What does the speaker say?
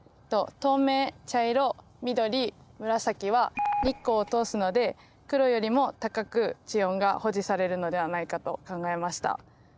透明茶色緑紫は日光を通すので黒よりも高く地温が保持されるのではないかと考えました。